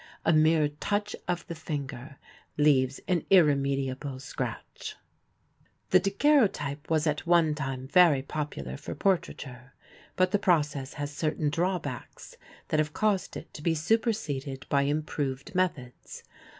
A mere touch of the finger leaves an irremediable scratch. The daguerreotype was at one time very popular for portraiture, but the process has certain drawbacks that have caused it to be superseded by improved methods.